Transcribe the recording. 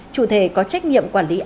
chủ thể có trách nhiệm quản lý án